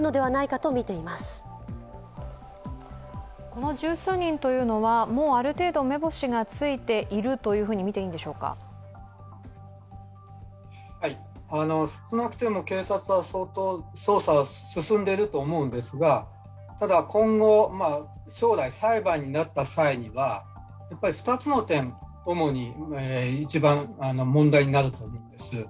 この十数人というのは、もうある程度、目星がついているとみていいんでしょうか少なくとも警察は相当捜査は進んでいると思うのですが、ただ今後、将来裁判になった際は２つの点、主に一番問題になると思います。